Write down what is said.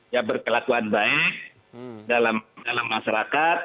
ya berkelakuan baik dalam masyarakat